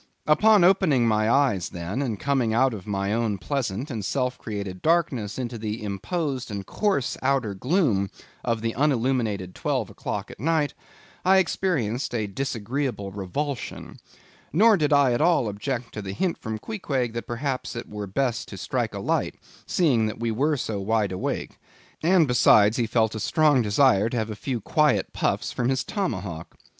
Upon opening my eyes then, and coming out of my own pleasant and self created darkness into the imposed and coarse outer gloom of the unilluminated twelve o'clock at night, I experienced a disagreeable revulsion. Nor did I at all object to the hint from Queequeg that perhaps it were best to strike a light, seeing that we were so wide awake; and besides he felt a strong desire to have a few quiet puffs from his Tomahawk.